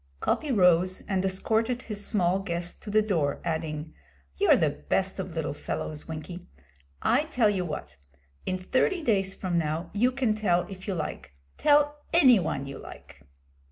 Coppy rose and escorted his small guest to the door, adding 'You're the best of little fellows, Winkie. I tell you what. In thirty days from now you can tell if you like tell any one you like.'